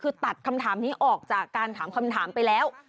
คือตัดคำถามนี้ออกจากการถามคำถามไปแล้ว